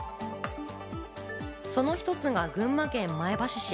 その一つが群馬県前橋市。